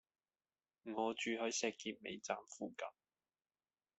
我住喺石硤尾站附近